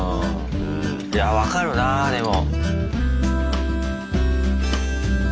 いや分かるなでも。